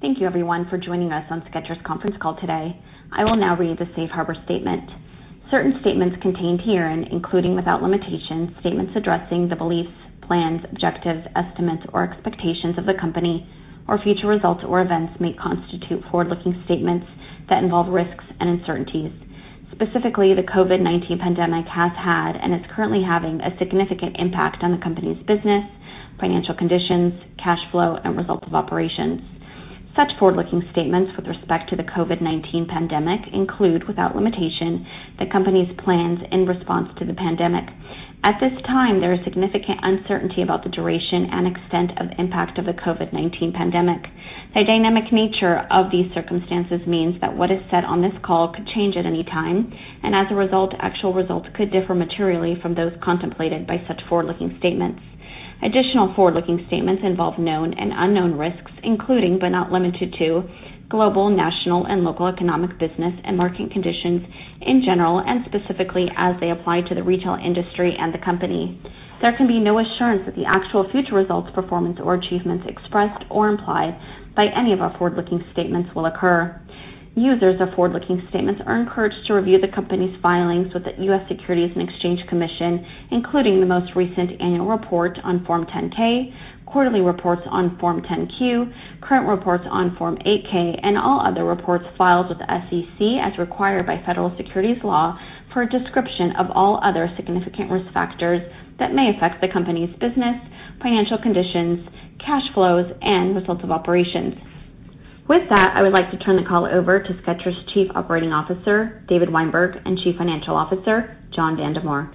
Thank you everyone for joining us on Skechers conference call today. I will now read the safe harbor statement. Certain statements contained herein, including without limitation, statements addressing the beliefs, plans, objectives, estimates or expectations of the company or future results or events, may constitute forward-looking statements that involve risks and uncertainties. Specifically, the COVID-19 pandemic has had and is currently having a significant impact on the company's business, financial conditions, cash flow, and results of operations. Such forward-looking statements with respect to the COVID-19 pandemic include, without limitation, the company's plans in response to the pandemic. At this time, there is significant uncertainty about the duration and extent of the impact of the COVID-19 pandemic. The dynamic nature of these circumstances means that what is said on this call could change at any time, and as a result, actual results could differ materially from those contemplated by such forward-looking statements. Additional forward-looking statements involve known and unknown risks, including, but not limited to, global, national, and local economic business and market conditions in general and specifically as they apply to the retail industry and the company. There can be no assurance that the actual future results, performance, or achievements expressed or implied by any of our forward-looking statements will occur. Users of forward-looking statements are encouraged to review the company's filings with the U.S. Securities and Exchange Commission, including the most recent annual report on Form 10-K, quarterly reports on Form 10-Q, current reports on Form 8-K, and all other reports filed with the SEC as required by federal securities law for a description of all other significant risk factors that may affect the company's business, financial conditions, cash flows, and results of operations. With that, I would like to turn the call over to Skechers Chief Operating Officer, David Weinberg, and Chief Financial Officer, John Vandemore.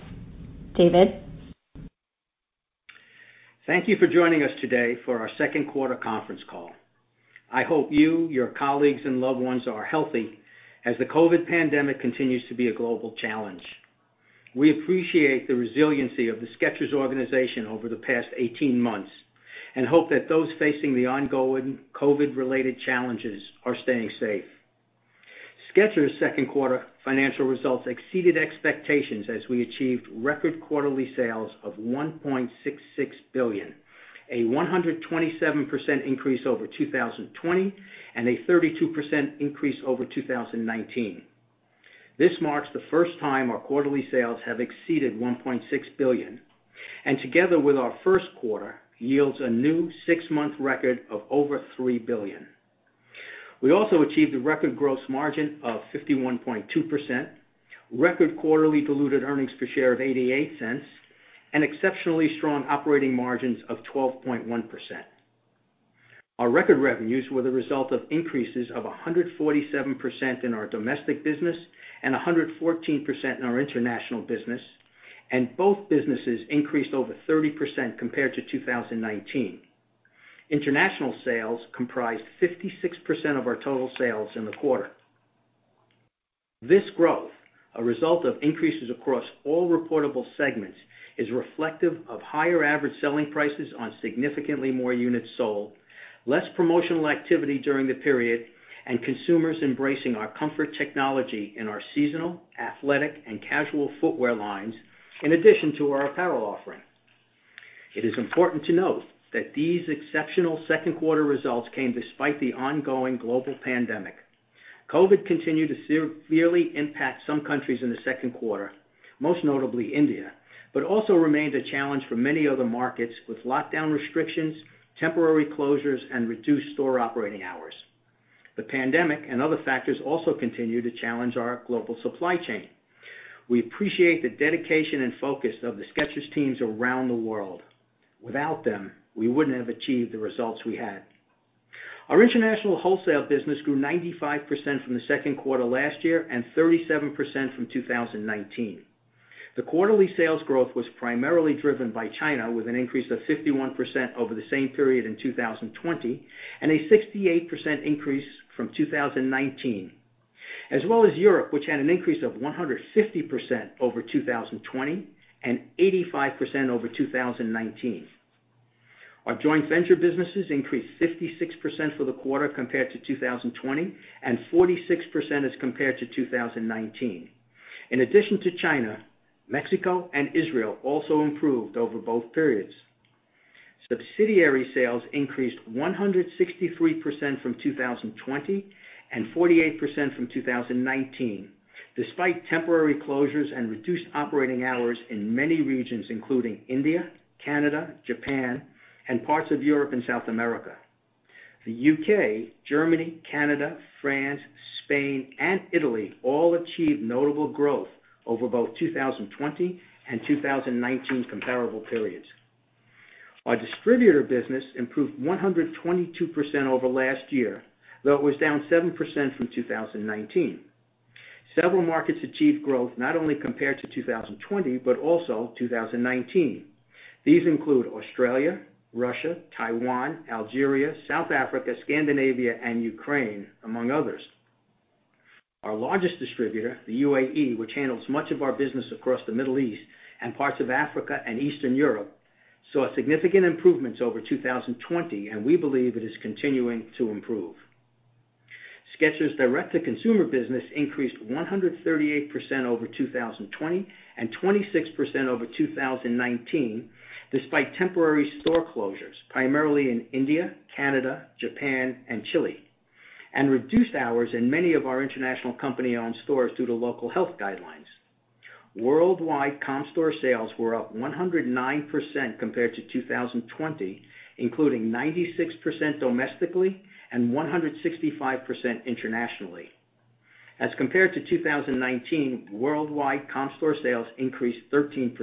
David. Thank you for joining us today for our second quarter conference call. I hope you, your colleagues, and loved ones are healthy as the COVID pandemic continues to be a global challenge. We appreciate the resiliency of the Skechers organization over the past 18 months and hope that those facing the ongoing COVID-related challenges are staying safe. Skechers' second quarter financial results exceeded expectations as we achieved record quarterly sales of $1.66 billion, a 127% increase over 2020 and a 32% increase over 2019. This marks the first time our quarterly sales have exceeded $1.6 billion, and together with our first quarter, yields a new six-month record of over $3 billion. We also achieved a record gross margin of 51.2%, record quarterly diluted earnings per share of $0.88, and exceptionally strong operating margins of 12.1%. Our record revenues were the result of increases of 147% in our domestic business and 114% in our international business, and both businesses increased over 30% compared to 2019. International sales comprised 56% of our total sales in the quarter. This growth, a result of increases across all reportable segments, is reflective of higher average selling prices on significantly more units sold, less promotional activity during the period, and consumers embracing our comfort technology in our seasonal, athletic, and casual footwear lines, in addition to our apparel offering. It is important to note that these exceptional second quarter results came despite the ongoing global pandemic. COVID continued to severely impact some countries in the second quarter, most notably India, but also remained a challenge for many other markets with lockdown restrictions, temporary closures, and reduced store operating hours. The pandemic and other factors also continue to challenge our global supply chain. We appreciate the dedication and focus of the Skechers teams around the world. Without them, we wouldn't have achieved the results we had. Our international wholesale business grew 95% from the second quarter last year and 37% from 2019. The quarterly sales growth was primarily driven by China, with an increase of 51% over the same period in 2020 and a 68% increase from 2019, as well as Europe, which had an increase of 150% over 2020 and 85% over 2019. Our joint venture businesses increased 56% for the quarter compared to 2020, and 46% as compared to 2019. In addition to China, Mexico and Israel also improved over both periods. Subsidiary sales increased 163% from 2020 and 48% from 2019, despite temporary closures and reduced operating hours in many regions, including India, Canada, Japan, and parts of Europe and South America. The U.K., Germany, Canada, France, Spain, and Italy all achieved notable growth over both 2020 and 2019 comparable periods. Our distributor business improved 122% over last year, though it was down 7% from 2019. Several markets achieved growth not only compared to 2020 but also 2019. These include Australia, Russia, Taiwan, Algeria, South Africa, Scandinavia, and Ukraine, among others. Our largest distributor, the UAE, which handles much of our business across the Middle East and parts of Africa and Eastern Europe, saw significant improvements over 2020, and we believe it is continuing to improve. Skechers' Direct-to-Consumer business increased 138% over 2020, and 26% over 2019, despite temporary store closures, primarily in India, Canada, Japan, and Chile, and reduced hours in many of our international company-owned stores due to local health guidelines. Worldwide comp store sales were up 109% compared to 2020, including 96% domestically and 165% internationally. As compared to 2019, worldwide comp store sales increased 13%,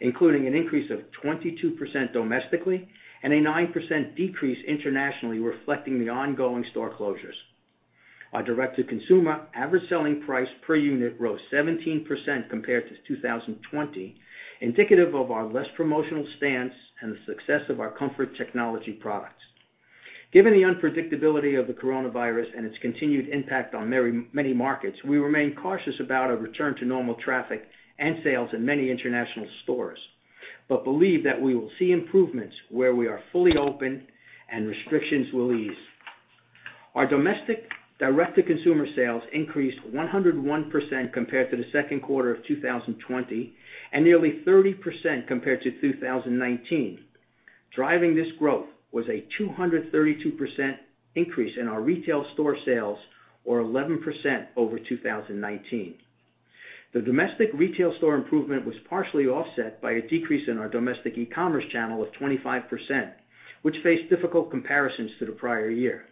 including an increase of 22% domestically and a 9% decrease internationally, reflecting the ongoing store closures. Our Direct-to-Consumer average selling price per unit rose 17% compared to 2020, indicative of our less promotional stance and the success of our comfort technology products. Given the unpredictability of the coronavirus and its continued impact on many markets, we remain cautious about a return to normal traffic and sales in many international stores. Believe that we will see improvements where we are fully open and restrictions will ease. Our domestic Direct-to-Consumer sales increased 101% compared to the second quarter of 2020. Nearly 30% compared to 2019. Driving this growth was a 232% increase in our retail store sales, or 11% over 2019. The domestic retail store improvement was partially offset by a decrease in our domestic e-commerce channel of 25%, which faced difficult comparisons to the prior year.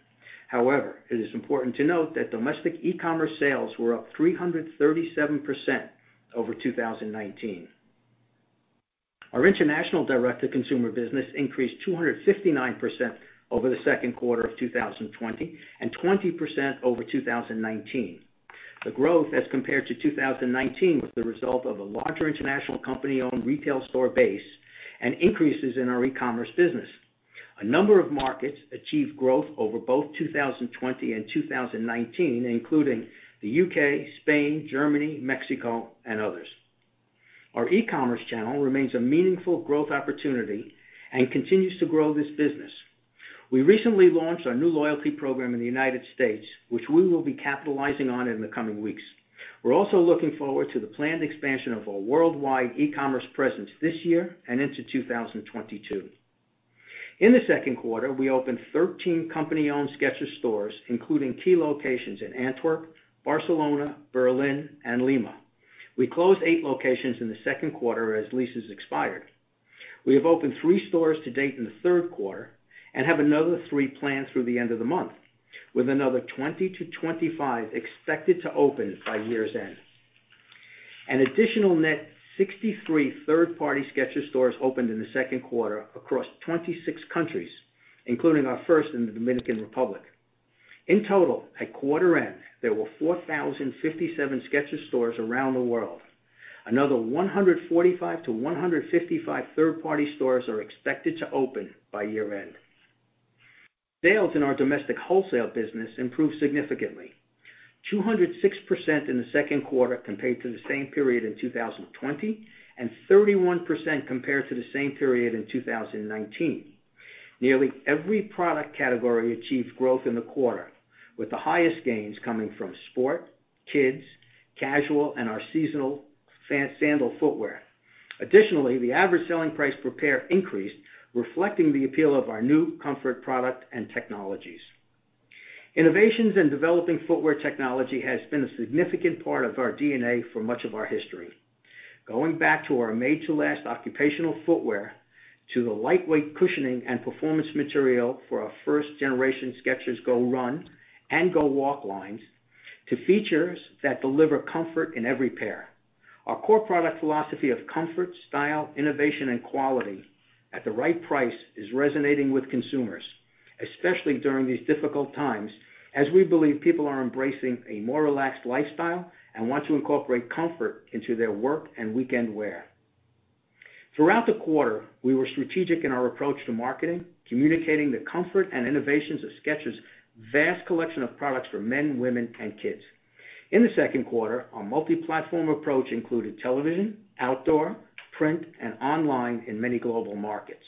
However, it is important to note that domestic e-commerce sales were up 337% over 2019. Our international Direct-to-Consumer business increased 259% over the second quarter of 2020. 20% over 2019. The growth, as compared to 2019, was the result of a larger international company-owned retail store base and increases in our e-commerce business. A number of markets achieved growth over both 2020 and 2019, including the U.K., Spain, Germany, Mexico, and others. Our e-commerce channel remains a meaningful growth opportunity and continues to grow this business. We recently launched our new loyalty program in the United States, which we will be capitalizing on in the coming weeks. We're also looking forward to the planned expansion of our worldwide e-commerce presence this year and into 2022. In the second quarter, we opened 13 company-owned Skechers stores, including key locations in Antwerp, Barcelona, Berlin, and Lima. We closed eight locations in the second quarter as leases expired. We have opened three stores to date in the third quarter and have another three planned through the end of the month, with another 20-25 expected to open by year's end. An additional net 63 third-party Skechers stores opened in the second quarter across 26 countries, including our first in the Dominican Republic. In total, at quarter end, there were 4,057 Skechers stores around the world. Another 145-155 third-party stores are expected to open by year end. Sales in our domestic wholesale business improved significantly, 206% in the second quarter compared to the same period in 2020, and 31% compared to the same period in 2019. Nearly every product category achieved growth in the quarter, with the highest gains coming from sport, kids, casual, and our seasonal sandal footwear. Additionally, the average selling price per pair increased, reflecting the appeal of our new comfort product and technologies. Innovations in developing footwear technology has been a significant part of our DNA for much of our history, going back to our made-to-last occupational footwear to the lightweight cushioning and performance material for our first-generation Skechers GO RUN and Skechers GO WALK lines, to features that deliver comfort in every pair. Our core product philosophy of comfort, style, innovation, and quality at the right price is resonating with consumers, especially during these difficult times, as we believe people are embracing a more relaxed lifestyle and want to incorporate comfort into their work and weekend wear. Throughout the quarter, we were strategic in our approach to marketing, communicating the comfort and innovations of Skechers' vast collection of products for men, women, and kids. In the second quarter, our multi-platform approach included television, outdoor, print, and online in many global markets.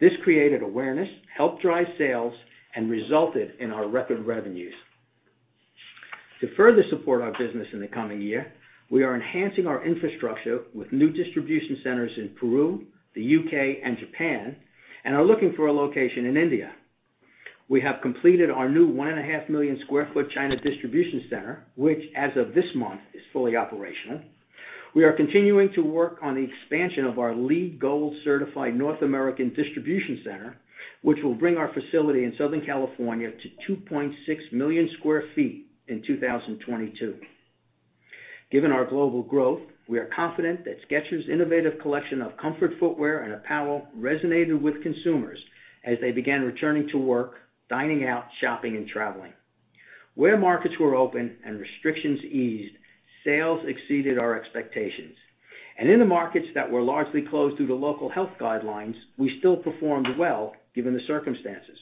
This created awareness, helped drive sales, and resulted in our record revenues. To further support our business in the coming year, we are enhancing our infrastructure with new distribution centers in Peru, the U.K., and Japan, and are looking for a location in India. We have completed our new 1.5 million square feet China distribution center, which, as of this month, is fully operational. We are continuing to work on the expansion of our LEED Gold-certified North American distribution center, which will bring our facility in Southern California to 2.6 million square feet in 2022. Given our global growth, we are confident that Skechers' innovative collection of comfort footwear and apparel resonated with consumers as they began returning to work, dining out, shopping, and traveling. Where markets were open and restrictions eased, sales exceeded our expectations. In the markets that were largely closed due to local health guidelines, we still performed well given the circumstances.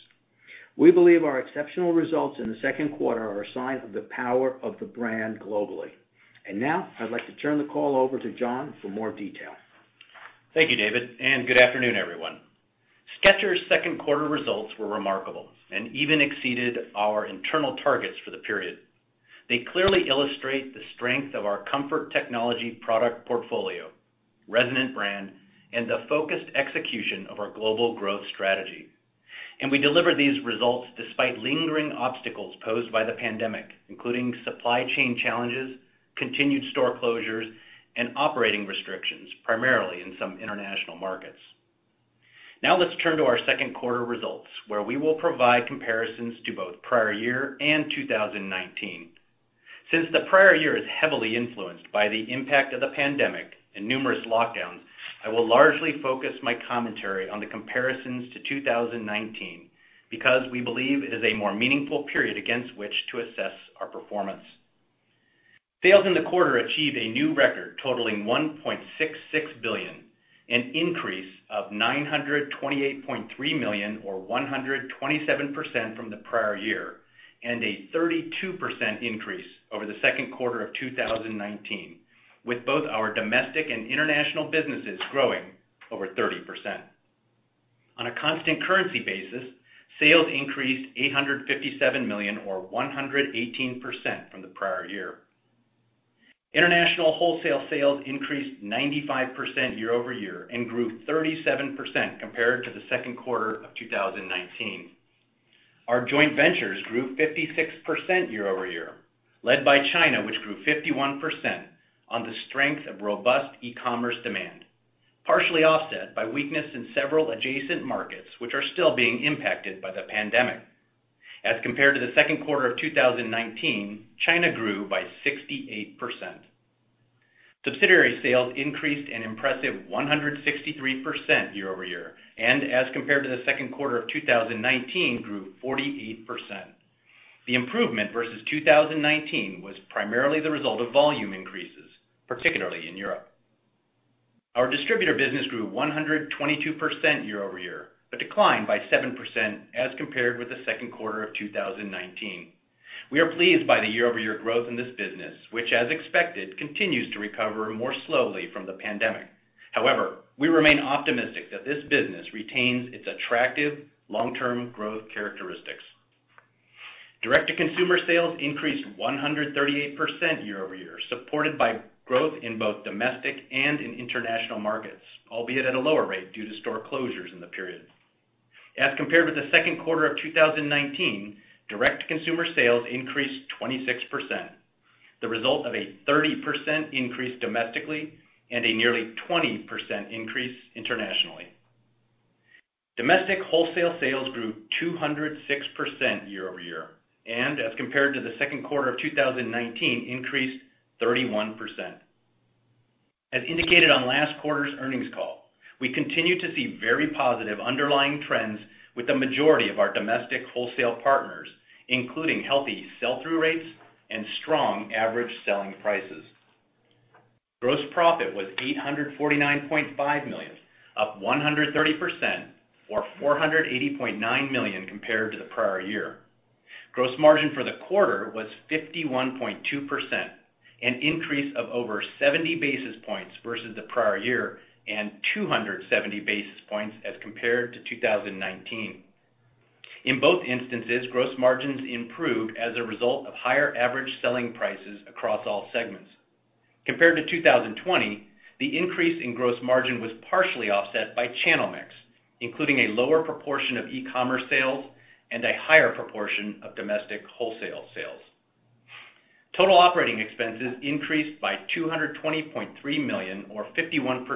We believe our exceptional results in the second quarter are a sign of the power of the brand globally. Now, I'd like to turn the call over to John for more detail. Thank you, David, good afternoon, everyone. Skechers' second quarter results were remarkable and even exceeded our internal targets for the period. They clearly illustrate the strength of our comfort technology product portfolio, resonant brand, and the focused execution of our global growth strategy. We deliver these results despite lingering obstacles posed by the pandemic, including supply chain challenges, continued store closures, and operating restrictions, primarily in some international markets. Now let's turn to our second quarter results, where we will provide comparisons to both prior year and 2019. Since the prior year is heavily influenced by the impact of the pandemic and numerous lockdowns, I will largely focus my commentary on the comparisons to 2019, because we believe it is a more meaningful period against which to assess our performance. Sales in the quarter achieved a new record, totaling $1.66 billion, an increase of $928.3 million or 127% from the prior year, and a 32% increase over the second quarter of 2019, with both our domestic and international businesses growing over 30%. On a constant currency basis, sales increased $857 million or 118% from the prior year. International wholesale sales increased 95% year-over-year and grew 37% compared to the second quarter of 2019. Our joint ventures grew 56% year-over-year, led by China, which grew 51% on the strength of robust e-commerce demand, partially offset by weakness in several adjacent markets, which are still being impacted by the pandemic. As compared to the second quarter of 2019, China grew by 68%. Subsidiary sales increased an impressive 163% year-over-year, and as compared to the second quarter of 2019, grew 48%. The improvement versus 2019 was primarily the result of volume increases, particularly in Europe. Our distributor business grew 122% year-over-year, but declined by 7% as compared with the second quarter of 2019. We are pleased by the year-over-year growth in this business, which, as expected, continues to recover more slowly from the pandemic. However, we remain optimistic that this business retains its attractive long-term growth characteristics. Direct-to-Consumer sales increased 138% year-over-year, supported by growth in both domestic and in international markets, albeit at a lower rate due to store closures in the period. As compared with the second quarter of 2019, Direct-to-Consumer sales increased 26%, the result of a 30% increase domestically and a nearly 20% increase internationally. Domestic wholesale sales grew 206% year-over-year and as compared to the second quarter of 2019, increased 31%. As indicated on last quarter's earnings call, we continue to see very positive underlying trends with the majority of our domestic wholesale partners, including healthy sell-through rates and strong average selling prices. Gross profit was $849.5 million, up 130% or $480.9 million compared to the prior year. Gross margin for the quarter was 51.2%, an increase of over 70 basis points versus the prior year and 270 basis points as compared to 2019. In both instances, gross margins improved as a result of higher average selling prices across all segments. Compared to 2020, the increase in gross margin was partially offset by channel mix, including a lower proportion of e-commerce sales and a higher proportion of domestic wholesale sales. Total operating expenses increased by $220.3 million or 51%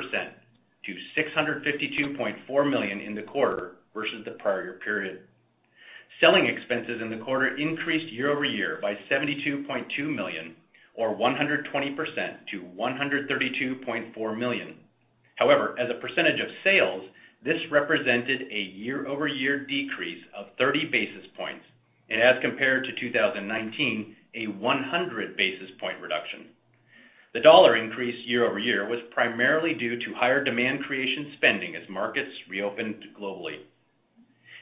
to $652.4 million in the quarter versus the prior period. Selling expenses in the quarter increased year-over-year by $72.2 million or 120% to $132.4 million. However, as a percentage of sales, this represented a year-over-year decrease of 30 basis points, and as compared to 2019, a 100 basis point reduction. The dollar increase year-over-year was primarily due to higher demand creation spending as markets reopened globally.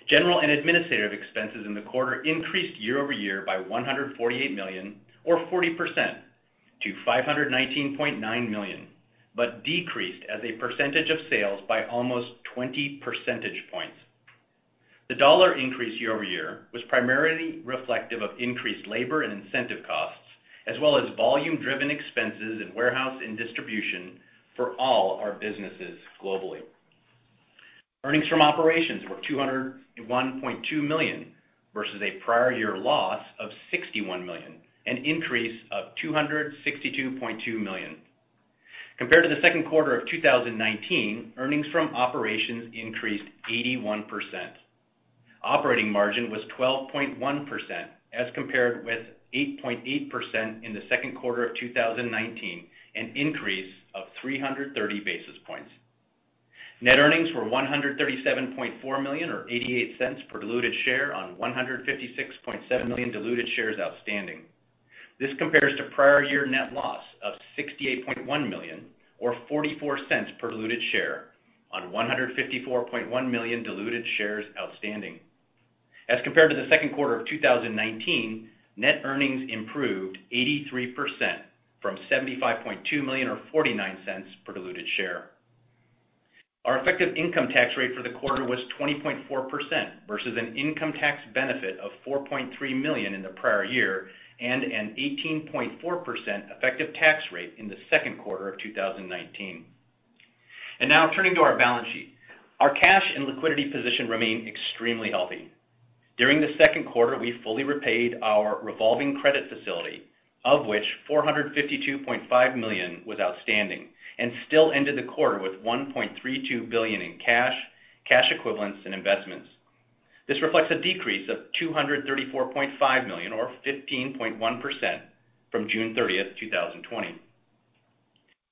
General and administrative expenses in the quarter increased year-over-year by $148 million or 40% to $519.9 million, but decreased as a percentage of sales by almost 20 percentage points. The dollar increase year-over-year was primarily reflective of increased labor and incentive costs, as well as volume-driven expenses in warehouse and distribution for all our businesses globally. Earnings from operations were $201.2 million, versus a prior year loss of $61 million, an increase of $262.2 million. Compared to the second quarter of 2019, earnings from operations increased 81%. Operating margin was 12.1% as compared with 8.8% in the second quarter of 2019, an increase of 330 basis points. Net earnings were $137.4 million or $0.88 per diluted share on 156.7 million diluted shares outstanding. This compares to prior year net loss of $68.1 million or $0.44 per diluted share on 154.1 million diluted shares outstanding. As compared to the second quarter of 2019, net earnings improved 83%, from $75.2 million or $0.49 per diluted share. Our effective income tax rate for the quarter was 20.4%, versus an income tax benefit of $4.3 million in the prior year, and an 18.4% effective tax rate in the second quarter of 2019. Now turning to our balance sheet. Our cash and liquidity position remain extremely healthy. During the second quarter, we fully repaid our revolving credit facility, of which $452.5 million was outstanding, and still ended the quarter with $1.32 billion in cash equivalents, and investments. This reflects a decrease of $234.5 million or 15.1% from June 30, 2020.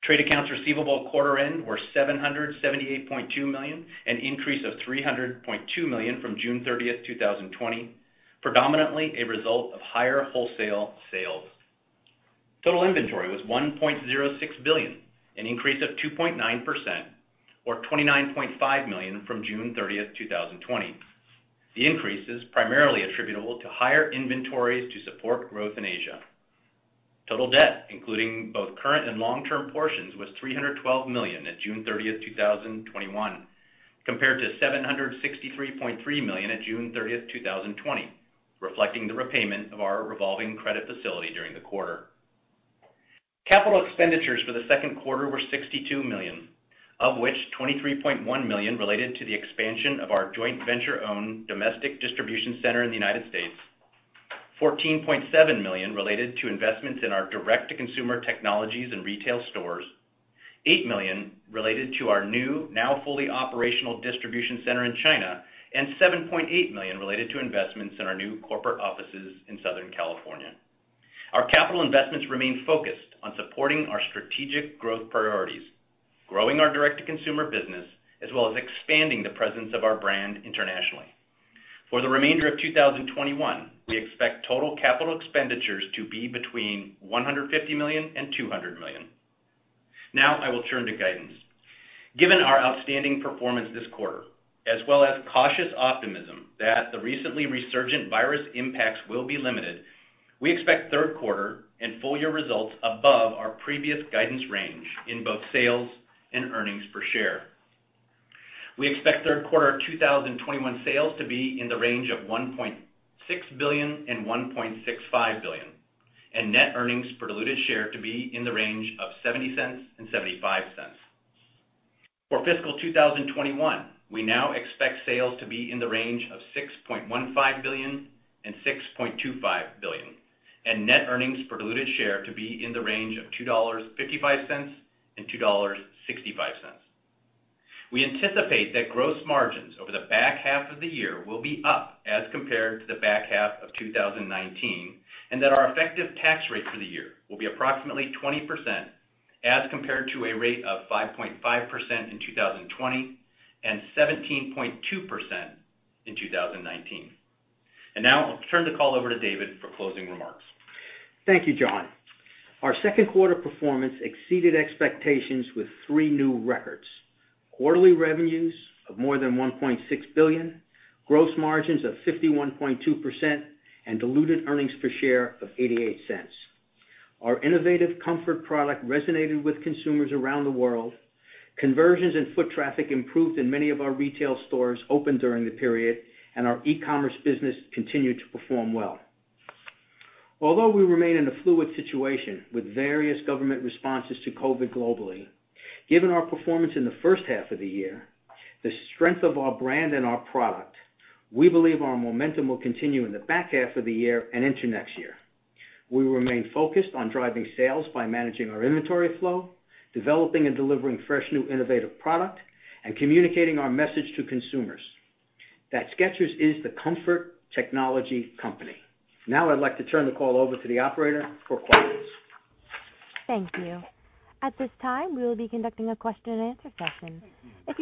Trade accounts receivable at quarter end were $778.2 million, an increase of $300.2 million from June 30, 2020, predominantly a result of higher wholesale sales. Total inventory was $1.06 billion, an increase of 2.9% or $29.5 million from June 30, 2020. The increase is primarily attributable to higher inventories to support growth in Asia. Total debt, including both current and long-term portions, was $312 million at June 30, 2021, compared to $763.3 million at June 30, 2020, reflecting the repayment of our revolving credit facility during the quarter. Capital expenditures for the second quarter were $62 million, of which $23.1 million related to the expansion of our joint venture-owned domestic distribution center in the U.S. $14.7 million related to investments in our direct-to-consumer technologies and retail stores. $8 million related to our new, now fully operational distribution center in China, and $7.8 million related to investments in our new corporate offices in Southern California. Our capital investments remain focused on supporting our strategic growth priorities, growing our direct-to-consumer business, as well as expanding the presence of our brand internationally. For the remainder of 2021, we expect total capital expenditures to be between $150 million-$200 million. Now I will turn to guidance. Given our outstanding performance this quarter, as well as cautious optimism that the recently resurgent virus impacts will be limited, we expect third quarter and full-year results above our previous guidance range in both sales and earnings per share. We expect third quarter 2021 sales to be in the range of $1.6 billion and $1.65 billion, and net earnings per diluted share to be in the range of $0.70 and $0.75. For fiscal 2021, we now expect sales to be in the range of $6.15 billion and $6.25 billion, and net earnings per diluted share to be in the range of $2.55 and $2.65. We anticipate that gross margins over the back half of the year will be up as compared to the back half of 2019, and that our effective tax rates for the year will be approximately 20%, as compared to a rate of 5.5% in 2020 and 17.2% in 2019. Now, I'll turn the call over to David for closing remarks. Thank you, John. Our second quarter performance exceeded expectations with three new records. Quarterly revenues of more than $1.6 billion, gross margins of 51.2%, and diluted earnings per share of $0.88. Our innovative comfort product resonated with consumers around the world. Conversions and foot traffic improved in many of our retail stores open during the period, and our e-commerce business continued to perform well. Although we remain in a fluid situation with various government responses to COVID-19 globally, given our performance in the first half of the year, the strength of our brand and our product, we believe our momentum will continue in the back half of the year and into next year. We remain focused on driving sales by managing our inventory flow, developing and delivering fresh, new, innovative product, and communicating our message to consumers that Skechers is the comfort technology company. Now I'd like to turn the call over to the operator for questions. Our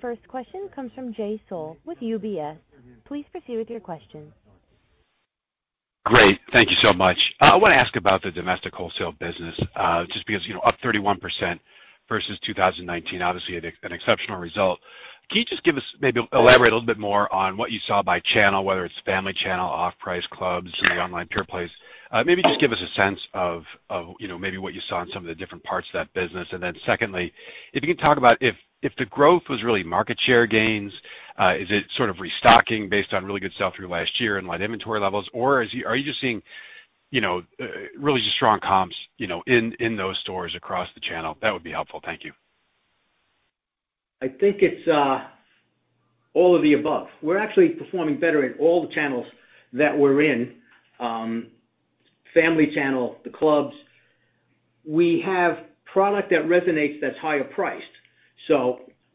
first question comes from Jay Sole with UBS. Please proceed with your question. Great. Thank you so much. I want to ask about the domestic wholesale business, just because up 31% versus 2019, obviously an exceptional result. Can you just give us, maybe elaborate a little bit more on what you saw by channel, whether it's family channel, off-price clubs, or the online pure plays. Maybe just give us a sense of maybe what you saw in some of the different parts of that business. Secondly, if you can talk about if the growth was really market share gains, is it sort of restocking based on really good sell-through last year and light inventory levels? Or are you just seeing really just strong comps in those stores across the channel? That would be helpful. Thank you. I think it's all of the above. We're actually performing better in all the channels that we're in. Family channel, the clubs. We have product that resonates that's higher priced.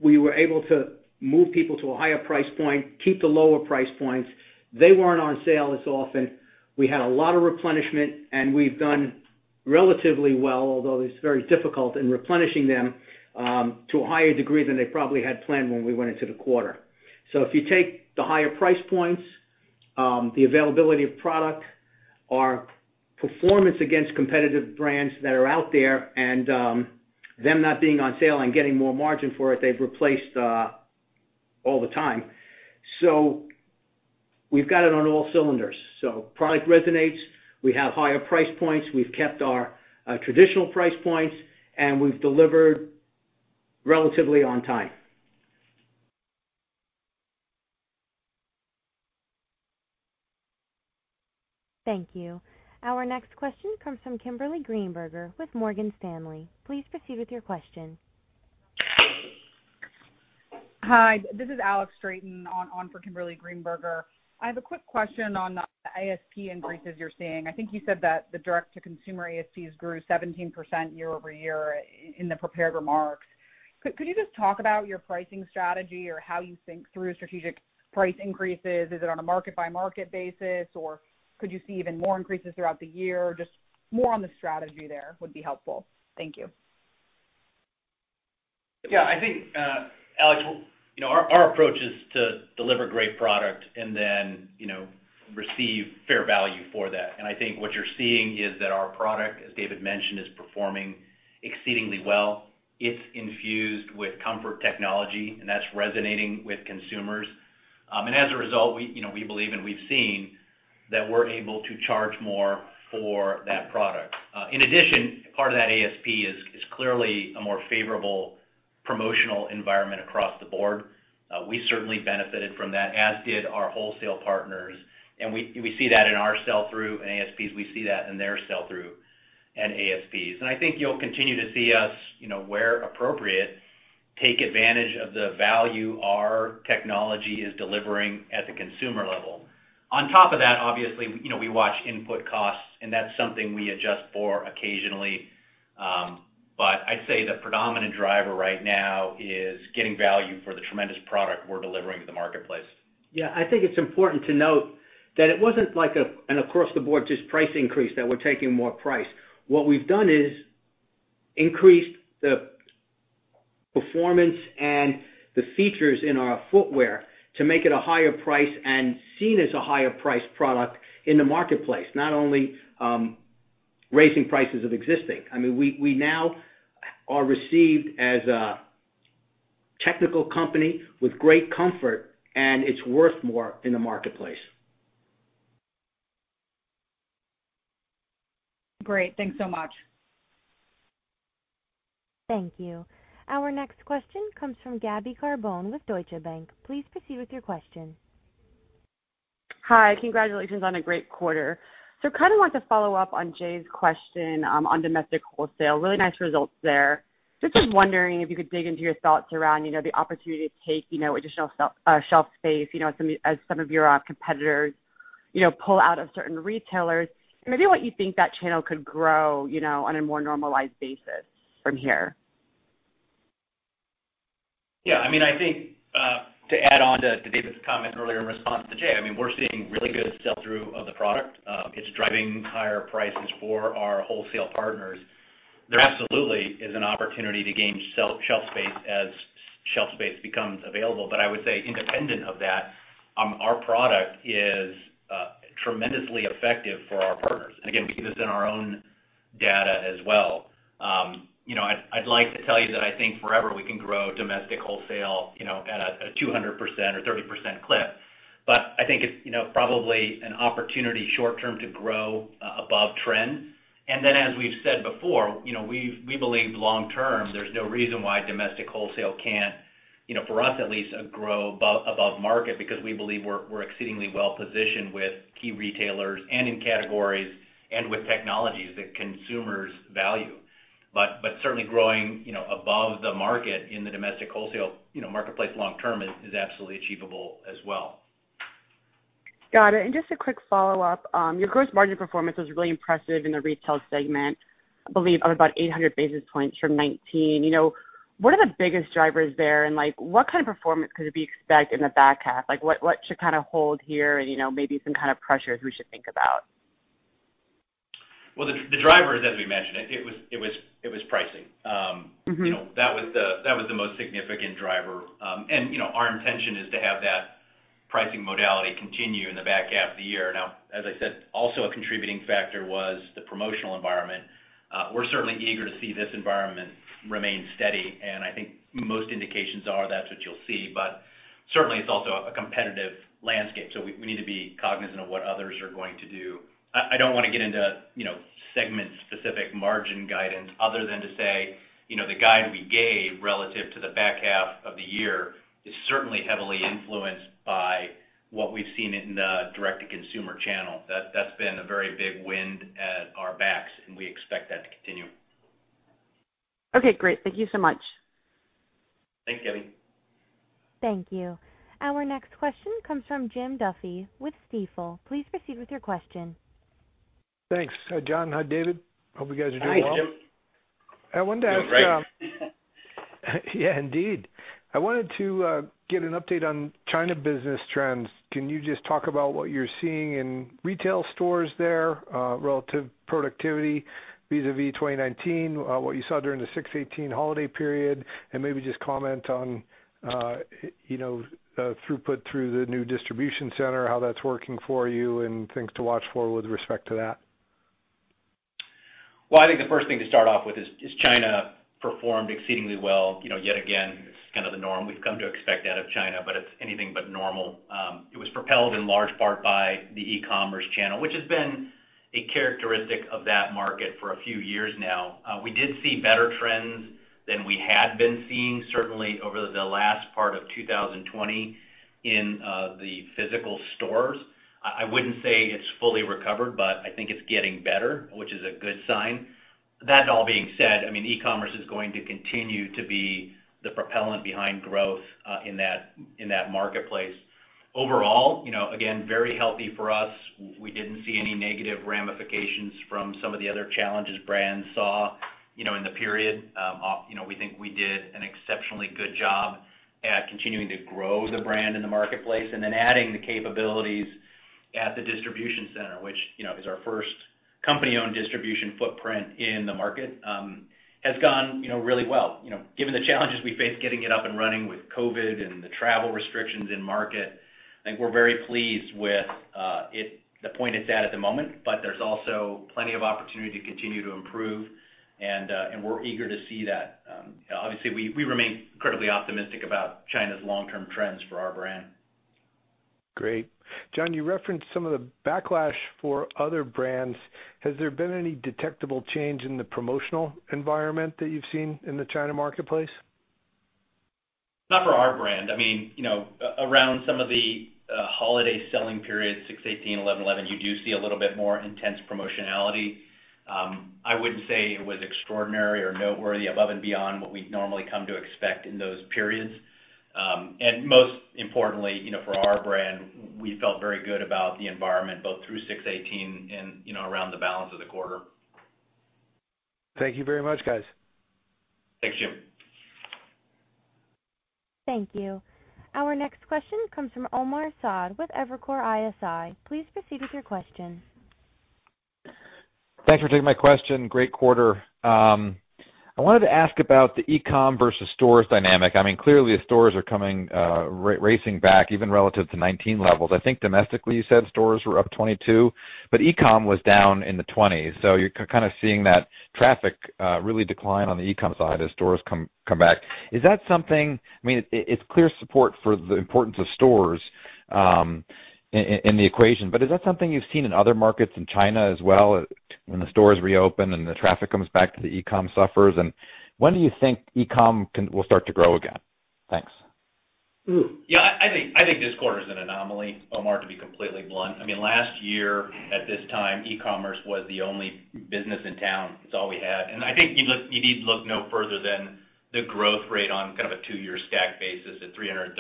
We were able to move people to a higher price point, keep the lower price points. They weren't on sale as often. We had a lot of replenishment, and we've done relatively well, although it's very difficult in replenishing them to a higher degree than they probably had planned when we went into the quarter. If you take the higher price points, the availability of product, our performance against competitive brands that are out there, and them not being on sale and getting more margin for it, they've replaced all the time. We've got it on all cylinders. Product resonates, we have higher price points, we've kept our traditional price points, and we've delivered relatively on time. Thank you. Our next question comes from Kimberly Greenberger with Morgan Stanley. Please proceed with your question. Hi, this is Alex Straton on for Kimberly Greenberger. I have a quick question on the ASP increases you're seeing. I think you said that the direct-to-consumer ASPs grew 17% year-over-year in the prepared remarks. Could you just talk about your pricing strategy or how you think through strategic price increases? Is it on a market-by-market basis, or could you see even more increases throughout the year? Just more on the strategy there would be helpful. Thank you. Yeah, I think, Alex, our approach is to deliver great product and then receive fair value for that. I think what you're seeing is that our product, as David mentioned, is performing exceedingly well. It's infused with comfort technology, and that's resonating with consumers. As a result, we believe and we've seen that we're able to charge more for that product. In addition, part of that ASP is clearly a more favorable promotional environment across the board. We certainly benefited from that, as did our wholesale partners. We see that in our sell-through and ASPs, we see that in their sell-through and ASPs. I think you'll continue to see us, where appropriate, take advantage of the value our technology is delivering at the consumer level. On top of that, obviously, we watch input costs, and that's something we adjust for occasionally. I'd say the predominant driver right now is getting value for the tremendous product we're delivering to the marketplace. Yeah, I think it's important to note that it wasn't like an across-the-board just price increase, that we're taking more price. What we've done is increased the performance and the features in our footwear to make it a higher price and seen as a higher price product in the marketplace, not only raising prices of existing. We now are received as a technical company with great comfort, and it's worth more in the marketplace. Great. Thanks so much. Thank you. Our next question comes from Gabriella Carbone with Deutsche Bank. Please proceed with your question. Hi, congratulations on a great quarter. Kind of want to follow up on Jay's question on domestic wholesale. Really nice results there. Just was wondering if you could dig into your thoughts around the opportunity to take additional shelf space, as some of your competitors pull out of certain retailers, and maybe what you think that channel could grow on a more normalized basis from here. Yeah, I think to add on to David's comment earlier in response to Jay, we're seeing really good sell-through of the product. It's driving higher prices for our wholesale partners. There absolutely is an opportunity to gain shelf space as shelf space becomes available. I would say independent of that, our product is tremendously effective for our partners. Again, we see this in our own data as well. I'd like to tell you that I think forever we can grow domestic wholesale at a 200% or 30% clip. I think it's probably an opportunity short term to grow above trend. Then, as we've said before, we believe long term, there's no reason why domestic wholesale can't, for us at least, grow above market, because we believe we're exceedingly well positioned with key retailers and in categories and with technologies that consumers value. Certainly growing above the market in the domestic wholesale marketplace long term is absolutely achievable as well. Got it. Just a quick follow-up. Your gross margin performance was really impressive in the retail segment, I believe up about 800 basis points from 2019. What are the biggest drivers there, and what kind of performance could we expect in the back half? What should kind of hold here and maybe some kind of pressures we should think about? Well, the drivers, as we mentioned, it was pricing. That was the most significant driver. Our intention is to have that pricing modality continue in the back half of the year. As I said, also a contributing factor was the promotional environment. We're certainly eager to see this environment remain steady, and I think most indications are that's what you'll see. Certainly, it's also a competitive landscape, so we need to be cognizant of what others are going to do. I don't want to get into segment specific margin guidance other than to say, the guide we gave relative to the back half of the year is certainly heavily influenced by what we've seen in the Direct-to-Consumer channel. That's been a very big wind at our backs, and we expect that to continue. Okay, great. Thank you so much. Thanks, Gaby. Thank you. Our next question comes from Jim Duffy with Stifel. Please proceed with your question. Thanks. Hi, John. Hi, David. Hope you guys are doing well. You're right. Yeah, indeed. I wanted to get an update on China business trends. Can you just talk about what you're seeing in retail stores there, relative productivity vis-à-vis 2019, what you saw during the 618 holiday period? Maybe just comment on throughput through the new distribution center, how that's working for you, and things to watch for with respect to that. Well, I think the first thing to start off with is, China performed exceedingly well. Yet again, it's kind of the norm we've come to expect out of China, but it's anything but normal. It was propelled in large part by the e-commerce channel, which has been a characteristic of that market for a few years now. We did see better trends than we had been seeing, certainly over the last part of 2020 in the physical stores. I wouldn't say it's fully recovered, but I think it's getting better, which is a good sign. That all being said, e-commerce is going to continue to be the propellant behind growth in that marketplace. Overall, again, very healthy for us. We didn't see any negative ramifications from some of the other challenges brands saw in the period. We think we did an exceptionally good job at continuing to grow the brand in the marketplace, and then adding the capabilities at the distribution center, which is our first company-owned distribution footprint in the market, has gone really well. Given the challenges we faced getting it up and running with COVID-19 and the travel restrictions in market, I think we're very pleased with the point it's at the moment. There's also plenty of opportunity to continue to improve, and we're eager to see that. Obviously, we remain incredibly optimistic about China's long-term trends for our brand. Great. John, you referenced some of the backlash for other brands. Has there been any detectable change in the promotional environment that you've seen in the China marketplace? Not for our brand. Around some of the holiday selling periods, 6.18, 11.11, you do see a little bit more intense promotionality. I wouldn't say it was extraordinary or noteworthy above and beyond what we'd normally come to expect in those periods. Most importantly for our brand, we felt very good about the environment, both through 618 and around the balance of the quarter. Thank you very much, guys. Thanks, Jim. Thank you. Our next question comes from Omar Saad with Evercore ISI. Please proceed with your question. Thanks for taking my question. Great quarter. I wanted to ask about the e-com versus stores dynamic. Clearly, the stores are racing back, even relative to 2019 levels. I think domestically, you said stores were up 22%, but e-com was down in the 20s. You're kind of seeing that traffic really decline on the e-com side as stores come back. It's clear support for the importance of stores in the equation, but is that something you've seen in other markets, in China as well, when the stores reopen and the traffic comes back, the e-com suffers? When do you think e-com will start to grow again? Thanks. I think this quarter is an anomaly, Omar, to be completely blunt. Last year at this time, e-commerce was the only business in town. It's all we had. I think you need to look no further than the growth rate on a 2-year stack basis at 337%.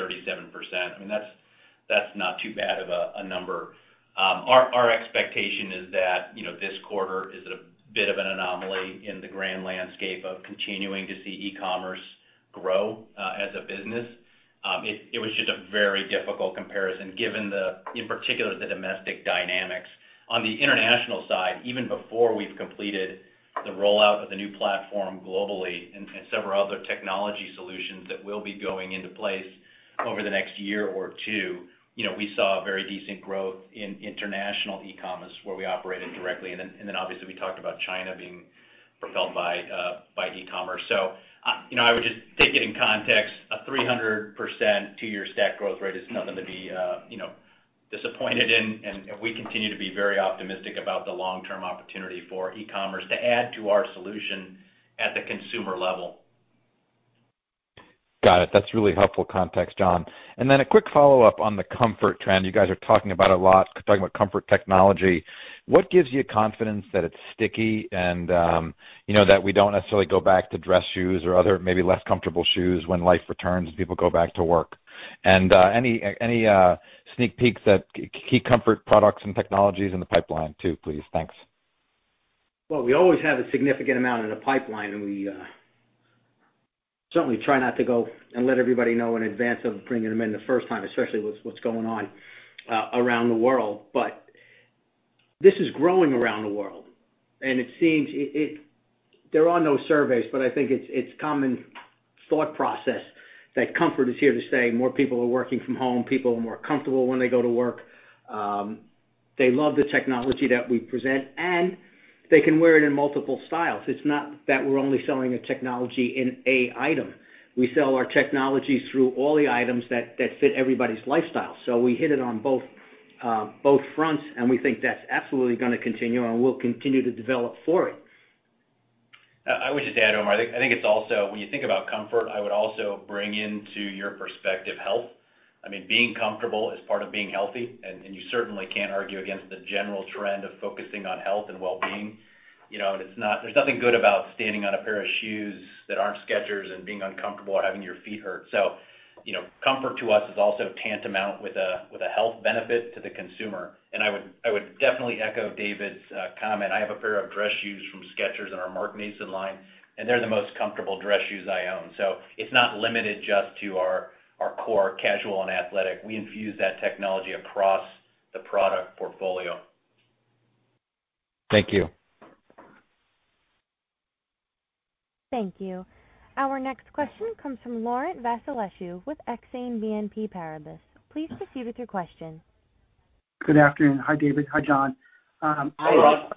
That's not too bad of a number. Our expectation is that this quarter is a bit of an anomaly in the grand landscape of continuing to see e-commerce grow as a business. It was just a very difficult comparison given the, in particular, the domestic dynamics. On the international side, even before we've completed the rollout of the new platform globally and several other technology solutions that will be going into place over the next year or 2. We saw very decent growth in international e-commerce where we operated directly. Obviously, we talked about China being propelled by e-commerce. I would just take it in context. A 300% 2-year stack growth rate is nothing to be disappointed in, and we continue to be very optimistic about the long-term opportunity for e-commerce to add to our solution at the consumer level. Got it. That's really helpful context, John. A quick follow-up on the comfort trend you guys are talking about a lot, talking about comfort technology. What gives you confidence that it's sticky and that we don't necessarily go back to dress shoes or other maybe less comfortable shoes when life returns and people go back to work? Any sneak peeks at key comfort products and technologies in the pipeline too, please? Thanks. Well, we always have a significant amount in the pipeline, and we certainly try not to go and let everybody know in advance of bringing them in the first time, especially with what's going on around the world. This is growing around the world, and there are no surveys, but I think it's common thought process that comfort is here to stay. More people are working from home. People are more comfortable when they go to work. They love the technology that we present, and they can wear it in multiple styles. It's not that we're only selling a technology in a item. We sell our technology through all the items that fit everybody's lifestyle. We hit it on both fronts, and we think that's absolutely going to continue, and we'll continue to develop for it. I would just add, Omar, I think when you think about comfort, I would also bring into your perspective health. Being comfortable is part of being healthy, and you certainly can't argue against the general trend of focusing on health and wellbeing. There's nothing good about standing on a pair of shoes that aren't Skechers and being uncomfortable or having your feet hurt. Comfort to us is also tantamount with a health benefit to the consumer. I would definitely echo David's comment. I have a pair of dress shoes from Skechers in our Mark Nason line, and they're the most comfortable dress shoes I own. It's not limited just to our core casual and athletic. We infuse that technology across the product portfolio. Thank you. Thank you. Our next question comes from Laurent Vasilescu with Exane BNP Paribas. Please proceed with your question. Good afternoon. Hi, David. Hi, John. Hi, Laurent.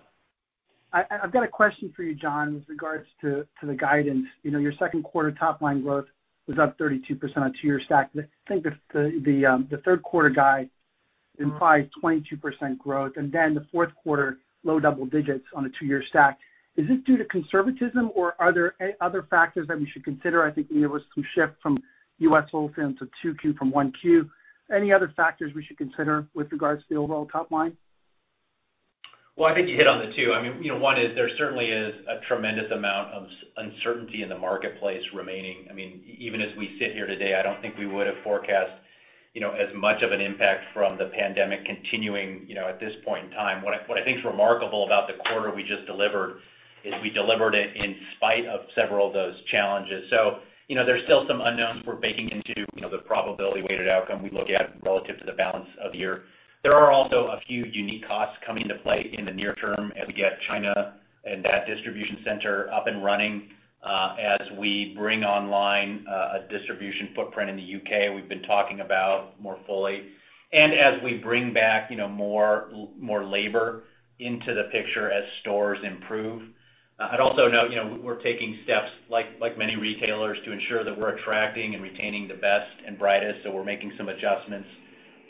I've got a question for you, John, with regards to the guidance. Your second quarter top line growth was up 32% on a two-year stack. I think the third quarter guide implies 22% growth, and then the fourth quarter, low double digits on a two-year stack. Is this due to conservatism, or are there any other factors that we should consider? I think there was some shift from U.S. wholesale to 2Q from 1Q. Any other factors we should consider with regards to the overall top line? I think you hit on the two. One is there certainly is a tremendous amount of uncertainty in the marketplace remaining. Even as we sit here today, I don't think we would've forecast as much of an impact from the pandemic continuing, at this point in time. What I think is remarkable about the quarter we just delivered is we delivered it in spite of several of those challenges. There's still some unknowns we're baking into the probability-weighted outcome we look at relative to the balance of the year. There are also a few unique costs coming into play in the near term as we get China and that distribution center up and running, as we bring online a distribution footprint in the U.K. we've been talking about more fully, and as we bring back more labor into the picture as stores improve. I'd also note, we're taking steps, like many retailers, to ensure that we're attracting and retaining the best and brightest. We're making some adjustments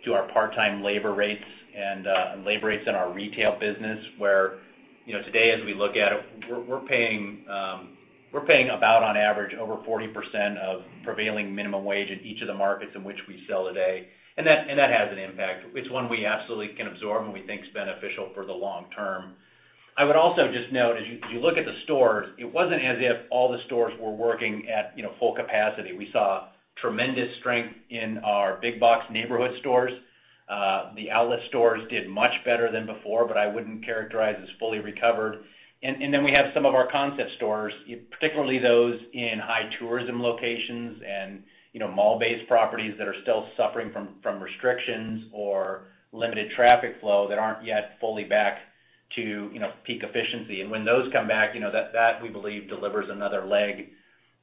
to our part-time labor rates and labor rates in our retail business, where today, as we look at it, we're paying about on average, over 40% of prevailing minimum wage in each of the markets in which we sell today. That has an impact. It's one we absolutely can absorb, and we think is beneficial for the long term. I would also just note, as you look at the stores, it wasn't as if all the stores were working at full capacity. We saw tremendous strength in our big box neighborhood stores. The outlet stores did much better than before, but I wouldn't characterize as fully recovered. Then we have some of our concept stores, particularly those in high tourism locations and mall-based properties that are still suffering from restrictions or limited traffic flow that aren't yet fully back to peak efficiency. When those come back, that, we believe, delivers another leg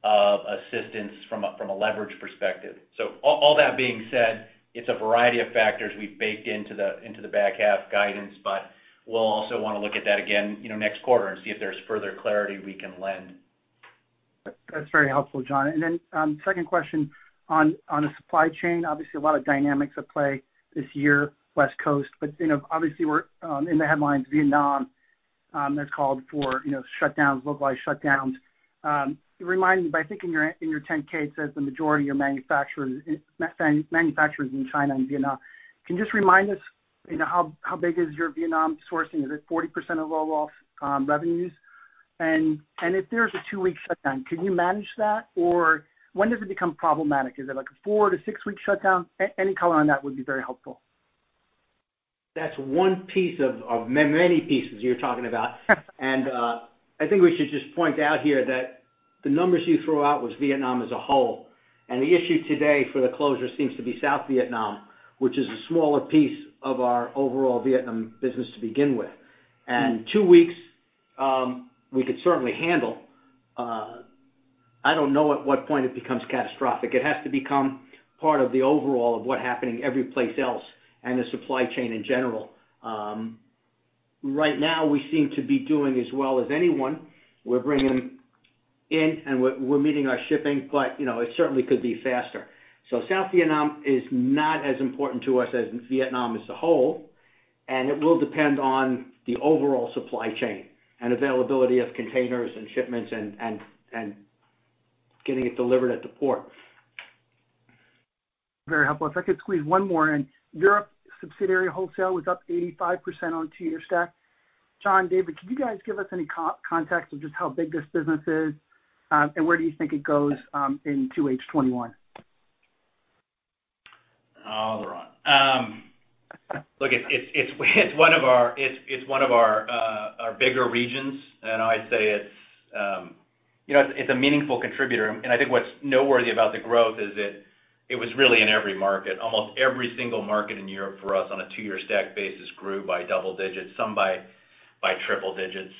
of assistance from a leverage perspective. All that being said, it's a variety of factors we've baked into the back half guidance, but we'll also want to look at that again next quarter and see if there's further clarity we can lend. That's very helpful, John. Second question on the supply chain. Obviously, a lot of dynamics at play this year, West Coast. Obviously, we're in the headlines, Vietnam has called for localized shutdowns. Remind me, but I think in your 10-K, it says the majority of your manufacturers in China and Vietnam. Can you just remind us how big is your Vietnam sourcing? Is it 40% of overall revenues? If there's a 2-week shutdown, can you manage that? When does it become problematic? Is it like a 4- to 6-week shutdown? Any color on that would be very helpful. That's one piece of many pieces you're talking about. I think we should just point out here that the numbers you threw out was Vietnam as a whole, and the issue today for the closure seems to be South Vietnam, which is a smaller piece of our overall Vietnam business to begin with. Two weeks, we could certainly handle. I don't know at what point it becomes catastrophic. It has to become part of the overall of what happening every place else and the supply chain in general. Right now, we seem to be doing as well as anyone. We're bringing in and we're meeting our shipping, but it certainly could be faster. South Vietnam is not as important to us as Vietnam as a whole, and it will depend on the overall supply chain and availability of containers and shipments and getting it delivered at the port. Very helpful. If I could squeeze one more in. Europe subsidiary wholesale was up 85% on two-year stack. John, David, could you guys give us any context of just how big this business is? Where do you think it goes in 2H21? Laurent. Look, it's one of our bigger regions, and I'd say it's a meaningful contributor. I think what's noteworthy about the growth is that it was really in every market. Almost every single market in Europe for us on a two-year stack basis grew by double digits, some by triple digits.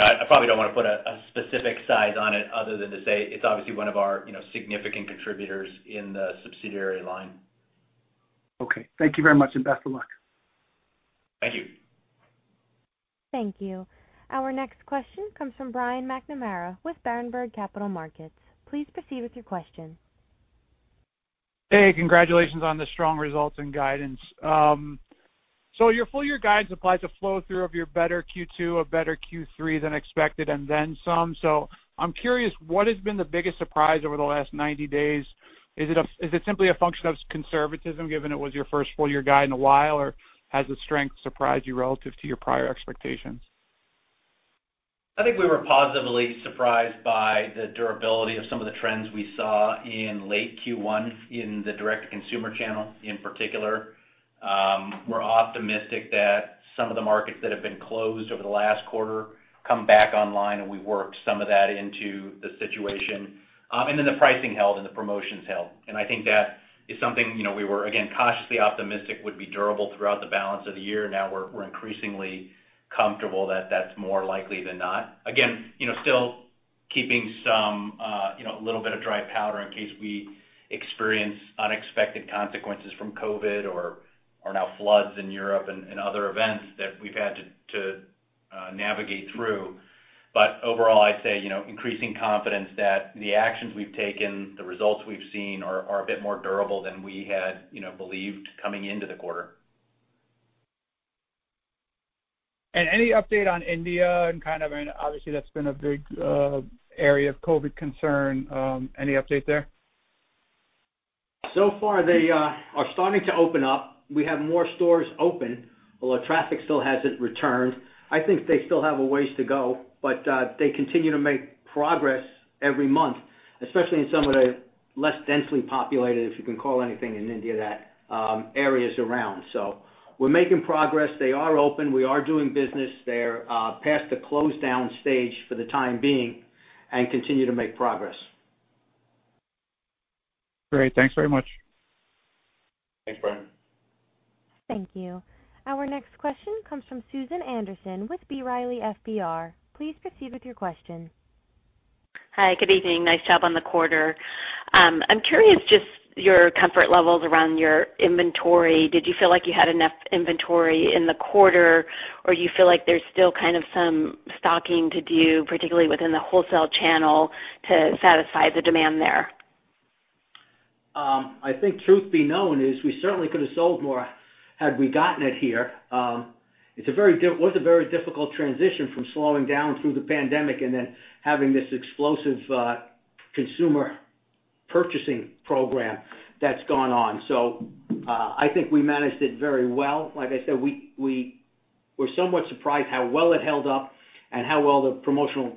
I probably don't want to put a specific size on it other than to say it's obviously one of our significant contributors in the subsidiary line. Okay. Thank you very much, and best of luck. Thank you. Thank you. Our next question comes from Brian McNamara with Berenberg Capital Markets. Please proceed with your question. Hey, congratulations on the strong results and guidance. Your full year guidance applied to flow through of your better Q2 or better Q3 than expected, and then some. I'm curious, what has been the biggest surprise over the last 90 days? Is it simply a function of conservatism given it was your first full-year guide in a while, or has the strength surprised you relative to your prior expectations? I think we were positively surprised by the durability of some of the trends we saw in late Q1 in the Direct-to-Consumer channel in particular. We're optimistic that some of the markets that have been closed over the last quarter come back online, and we worked some of that into the situation. The pricing held and the promotions held. I think that is something we were, again, cautiously optimistic would be durable throughout the balance of the year. Now we're increasingly comfortable that that's more likely than not. Again, still keeping a little bit of dry powder in case we experience unexpected consequences from COVID or now floods in Europe and other events that we've had to navigate through. Overall, I'd say, increasing confidence that the actions we've taken, the results we've seen are a bit more durable than we had believed coming into the quarter. Any update on India? Obviously, that's been a big area of COVID concern. Any update there? So far, they are starting to open up. We have more stores open, although traffic still hasn't returned. I think they still have a ways to go, but they continue to make progress every month, especially in some of the less densely populated, if you can call anything in India that, areas around. We're making progress. They are open. We are doing business there past the close-down stage for the time being and continue to make progress. Great. Thanks very much. Thanks, Brian. Thank you. Our next question comes from Susan Anderson with B. Riley FBR. Please proceed with your question Hi, good evening. Nice job on the quarter. I'm curious, just your comfort levels around your inventory. Did you feel like you had enough inventory in the quarter, or you feel like there's still some stocking to do, particularly within the wholesale channel to satisfy the demand there? I think truth be known is we certainly could have sold more had we gotten it here. It was a very difficult transition from slowing down through the pandemic and then having this explosive consumer purchasing program that's gone on. I think we managed it very well. Like I said, we were somewhat surprised how well it held up and how well the promotional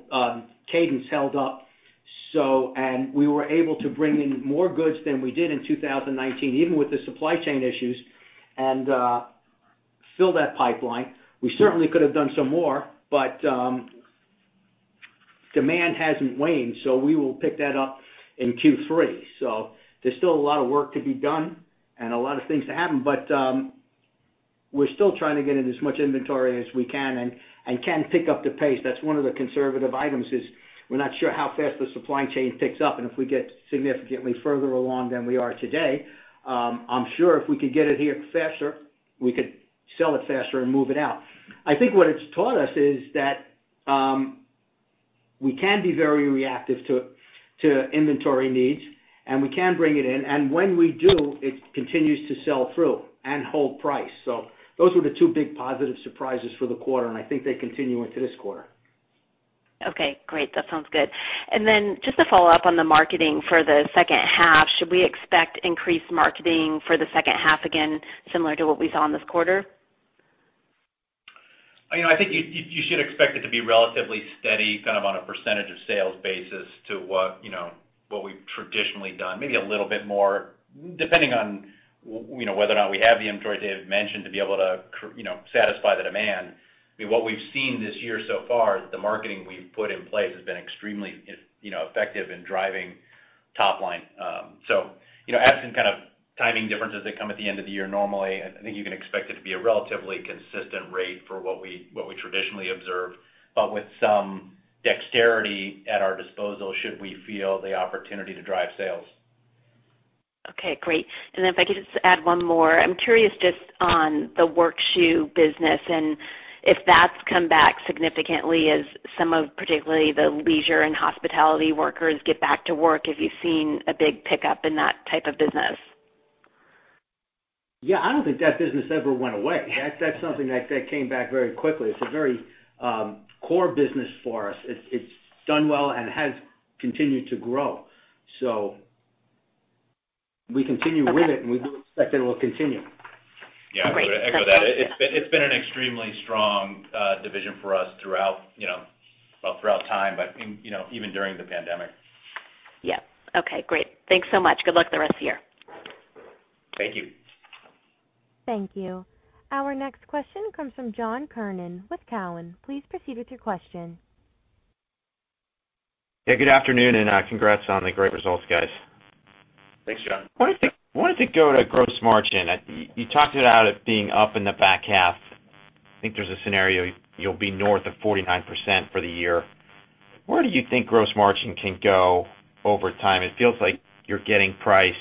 cadence held up. We were able to bring in more goods than we did in 2019, even with the supply chain issues, and fill that pipeline. We certainly could have done some more, but demand hasn't waned, so we will pick that up in Q3. There's still a lot of work to be done and a lot of things to happen, but we're still trying to get in as much inventory as we can and can pick up the pace. That's one of the conservative items is we're not sure how fast the supply chain picks up, and if we get significantly further along than we are today, I'm sure if we could get it here faster, we could sell it faster and move it out. I think what it's taught us is that we can be very reactive to inventory needs, and we can bring it in. When we do, it continues to sell through and hold price. Those were the two big positive surprises for the quarter, and I think they continue into this quarter. Okay, great. That sounds good. Just to follow up on the marketing for the second half, should we expect increased marketing for the second half again, similar to what we saw in this quarter? I think you should expect it to be relatively steady on a percentage of sales basis to what we've traditionally done. Maybe a little bit more, depending on whether or not we have the inventory Dave mentioned to be able to satisfy the demand. What we've seen this year so far is the marketing we've put in place has been extremely effective in driving top line. Add some kind of timing differences that come at the end of the year normally, I think you can expect it to be a relatively consistent rate for what we traditionally observe, but with some dexterity at our disposal should we feel the opportunity to drive sales Okay, great. If I could just add one more. I'm curious just on the work shoe business and if that's come back significantly as some of particularly the leisure and hospitality workers get back to work. Have you seen a big pickup in that type of business? Yeah, I don't think that business ever went away. That's something that came back very quickly. It's a very core business for us. It's done well and has continued to grow. We continue with it, and we do expect it will continue. Great. Yeah, I would echo that. It's been an extremely strong division for us throughout time, but even during the pandemic. Yeah. Okay, great. Thanks so much. Good luck the rest of the year. Thank you. Thank you. Our next question comes from John Kernan with Cowen. Please proceed with your question. Yeah, good afternoon, and congrats on the great results, guys. Thanks, John. wanted to go to gross margin. You talked about it being up in the back half. I think there's a scenario you'll be north of 49% for the year. Where do you think gross margin can go over time? It feels like you're getting price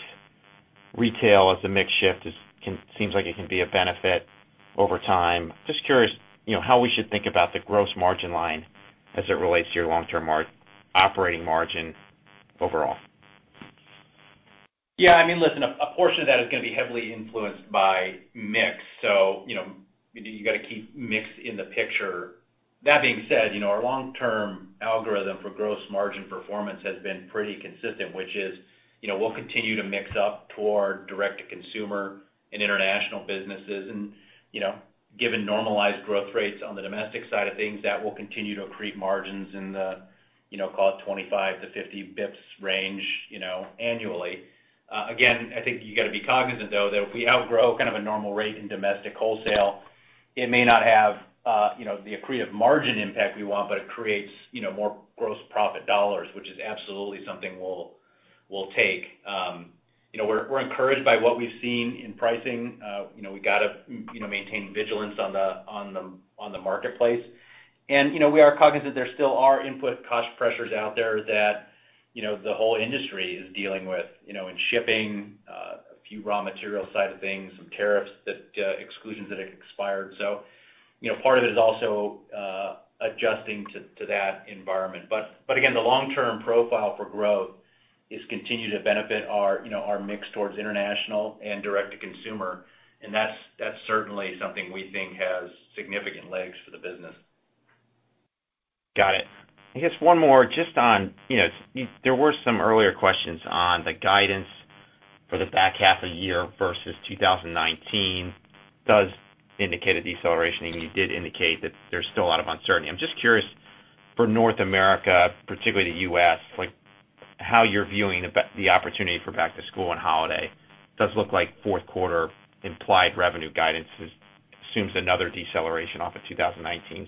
retail as the mix shift seems like it can be a benefit over time. I am just curious how we should think about the gross margin line as it relates to your long-term operating margin overall. Yeah. Listen, a portion of that is going to be heavily influenced by mix. You got to keep mix in the picture. That being said, our long-term algorithm for gross margin performance has been pretty consistent, which is we'll continue to mix up toward Direct-to-Consumer and international businesses. Given normalized growth rates on the domestic side of things, that will continue to accrete margins in the call it 25-50 basis points range annually. I think you got to be cognizant, though, that if we outgrow kind of a normal rate in domestic wholesale, it may not have the accretive margin impact we want, but it creates more gross profit dollars, which is absolutely something we'll take. We're encouraged by what we've seen in pricing. We got to maintain vigilance on the marketplace. We are cognizant there still are input cost pressures out there that the whole industry is dealing with in shipping, a few raw material side of things, some tariffs exclusions that have expired. Part of it is also adjusting to that environment. Again, the long-term profile for growth is continue to benefit our mix towards international and Direct-to-Consumer, and that's certainly something we think has significant legs for the business. Got it. I guess one more just on, there were some earlier questions on the guidance for the back half of the year versus 2019 does indicate a deceleration. You did indicate that there's still a lot of uncertainty. I'm just curious for North America, particularly the U.S., how you're viewing the opportunity for back to school and holiday. Does look like fourth quarter implied revenue guidance assumes another deceleration off of 2019.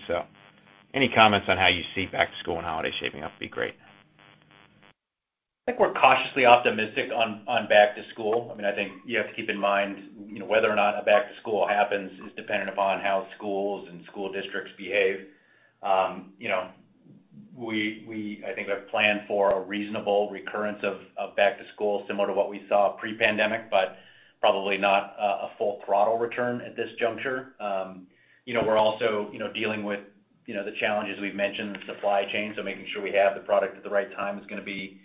Any comments on how you see back to school and holiday shaping up would be great. I think we're cautiously optimistic on back to school. I think you have to keep in mind whether or not a back to school happens is dependent upon how schools and school districts behave. We, I think, have planned for a reasonable recurrence of back to school, similar to what we saw pre-pandemic, but probably not a full throttle return at this juncture. We're also dealing with the challenges we've mentioned in supply chain, making sure we have the product at the right time is going to be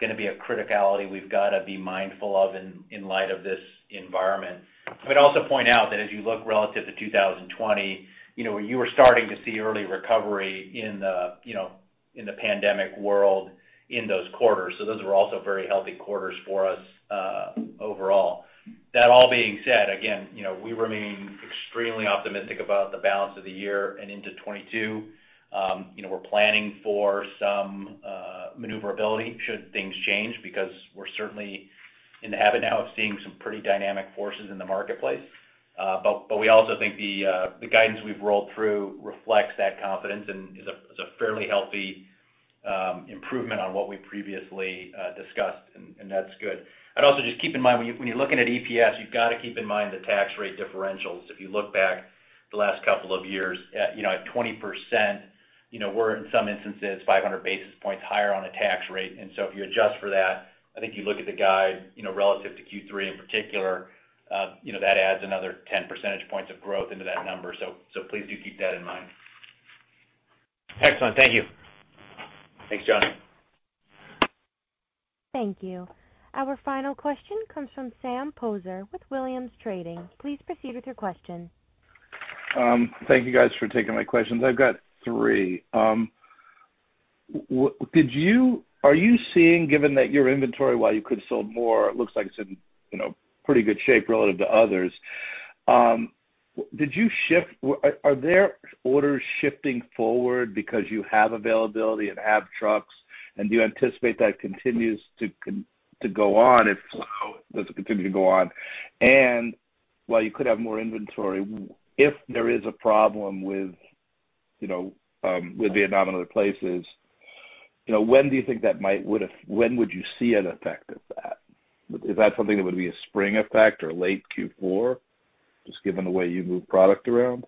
a criticality we've got to be mindful of in light of this environment. I would also point out that as you look relative to 2020, you were starting to see early recovery in the pandemic world in those quarters. Those were also very healthy quarters for us overall. That all being said, we remain extremely optimistic about the balance of the year and into 2022. We're planning for some maneuverability should things change, because we're certainly in the habit now of seeing some pretty dynamic forces in the marketplace. We also think the guidance we've rolled through reflects that confidence and is a fairly healthy improvement on what we previously discussed, and that's good. I'd also just keep in mind, when you're looking at EPS, you've got to keep in mind the tax rate differentials. If you look back the last couple of years, at 20%, we're, in some instances, 500 basis points higher on a tax rate. If you adjust for that, I think you look at the guide relative to Q3 in particular, that adds another 10 percentage points of growth into that number. Please do keep that in mind. Excellent. Thank you. Thanks, John. Thank you. Our final question comes from Sam Poser with Williams Trading. Please proceed with your question. Thank you guys for taking my questions. I've got three. Are you seeing, given that your inventory, while you could have sold more, looks like it's in pretty good shape relative to others, are there orders shifting forward because you have availability and have trucks? Do you anticipate that continues to go on if so? Does it continue to go on? While you could have more inventory, if there is a problem with Vietnam and other places, when would you see an effect of that? Is that something that would be a spring effect or late Q4, just given the way you move product around?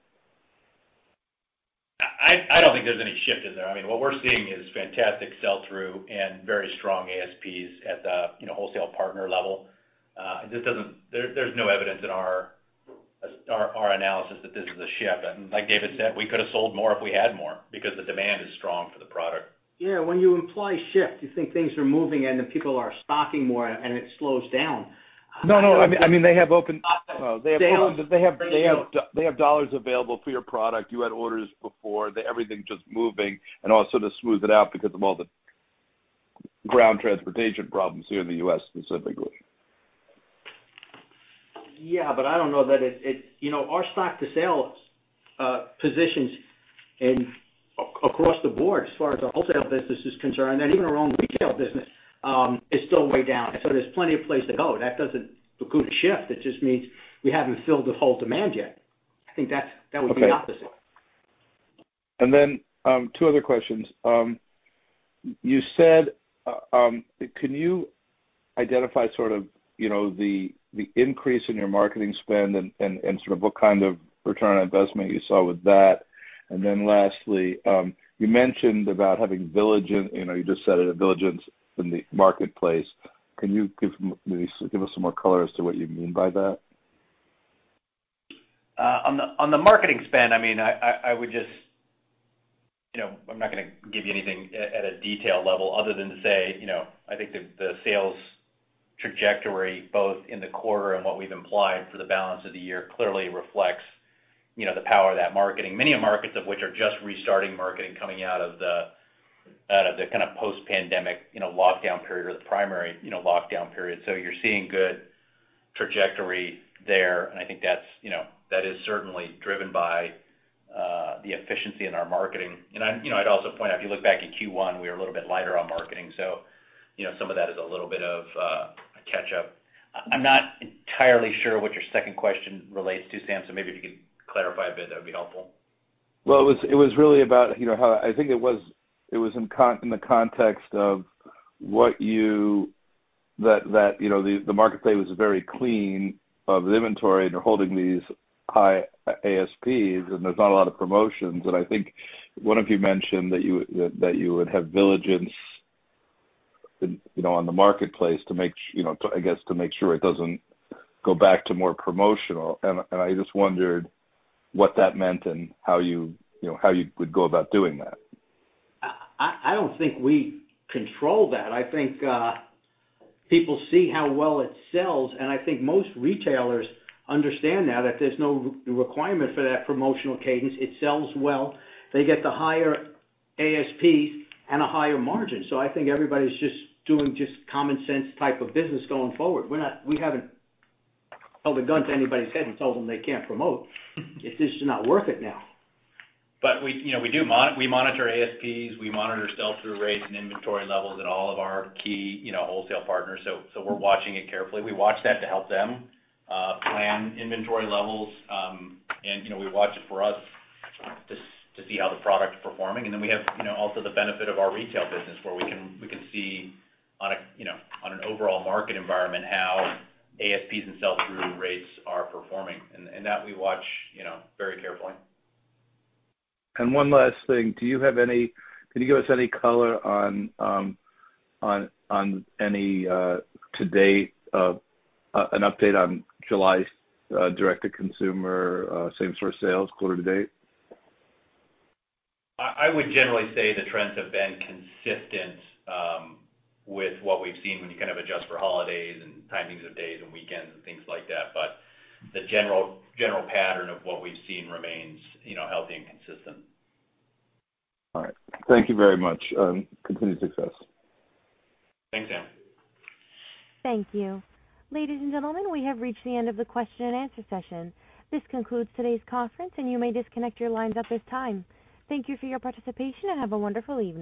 I don't think there's any shift in there. What we're seeing is fantastic sell-through and very strong ASPs at the wholesale partner level. There's no evidence in our analysis that this is a shift. Like David said, we could have sold more if we had more, because the demand is strong for the product. Yeah. When you imply shift, you think things are moving, and the people are stocking more, and it slows down. No, they have dollars available for your product. You had orders before. Everything just moving, and also to smooth it out because of all the ground transportation problems here in the U.S. specifically. Yeah. I don't know that Our stock to sales positions across the board as far as our wholesale business is concerned and even our own retail business, is still way down. There's plenty of place to go. That doesn't preclude a shift. It just means we haven't filled the whole demand yet. I think that would be the opposite. Okay. Then two other questions. Can you identify sort of the increase in your marketing spend and sort of what kind of return on investment you saw with that? Lastly, you mentioned about having, you just said it, a diligence in the marketplace. Can you give us some more color as to what you mean by that? On the marketing spend, I'm not going to give you anything at a detail level other than to say, I think the sales trajectory both in the quarter and what we've implied for the balance of the year clearly reflects the power of that marketing. Many markets of which are just restarting marketing coming out of the kind of post-pandemic lockdown period or the primary lockdown period. You're seeing good trajectory there, and I think that is certainly driven by the efficiency in our marketing. I'd also point out, if you look back at Q1, we were a little bit lighter on marketing. Some of that is a little bit of a catch-up. I'm not entirely sure what your second question relates to, Sam, maybe if you could clarify a bit, that would be helpful. Well, I think it was in the context of that the marketplace was very clean of inventory, and they're holding these high ASPs, and there's not a lot of promotions. I think one of you mentioned that you would have diligence on the marketplace, I guess, to make sure it doesn't go back to more promotional. I just wondered what that meant and how you would go about doing that. I don't think we control that. I think people see how well it sells, and I think most retailers understand now that there's no requirement for that promotional cadence. It sells well. They get the higher ASPs and a higher margin. I think everybody's just doing just common sense type of business going forward. We haven't held a gun to anybody's head and told them they can't promote. It's just not worth it now. We monitor ASPs, we monitor sell-through rates and inventory levels at all of our key wholesale partners. We are watching it carefully. We watch that to help them plan inventory levels. We watch it for us to see how the product is performing. We have also the benefit of our retail business where we can see on an overall market environment how ASPs and sell-through rates are performing. That, we watch very carefully. One last thing. Can you give us any color on any to date, an update on July's direct-to-consumer same-store sales quarter to date? I would generally say the trends have been consistent with what we've seen when you kind of adjust for holidays and timings of days and weekends and things like that. The general pattern of what we've seen remains healthy and consistent. All right. Thank you very much. Continued success. Thanks, Sam. Thank you. Ladies and gentlemen, we have reached the end of the question and answer session. This concludes today's conference, and you may disconnect your lines at this time. Thank you for your participation, and have a wonderful evening.